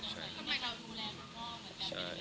ทำไมเราดูแลเขาพอ